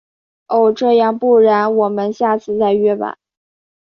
哦……这样，不然我们下次再约吧。